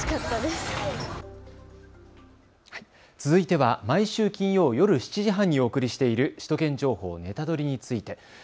続いては毎週金曜夜７時半にお送りしている首都圏情報ネタドリ！について。